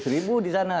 tujuh ratus ribu di sana